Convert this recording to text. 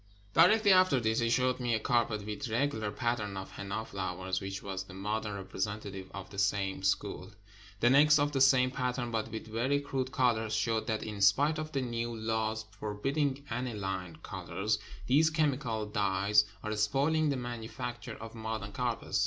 Directly after this, he showed me a carpet with a regu lar pattern of henna flowers, which was the modem representative of the same school. The next, of the same pattern, but with very crude colors, showed that in spite of the new laws forbidding aniline colors, these chemical dyes are spoiling the manufacture of modern carpets.